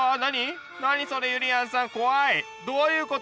どういうこと？